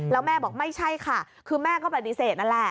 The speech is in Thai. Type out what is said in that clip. แล้วแม่บอกไม่ใช่ค่ะคือแม่ก็ปฏิเสธนั่นแหละ